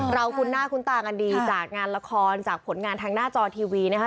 เราคุณน่าคุณต่างอดีจากงานละครจากผลงานทางหน้าจอทีวีนะคะ